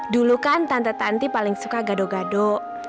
dulu kan tante tanti paling suka gado gado